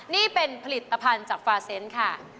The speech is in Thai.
นี่เป็นผลิตภัณฑ์จากฟาเซนต์ค่ะ